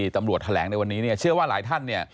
ตำรวจแถลงในวันนี้เชื่อว่าหลายท่าน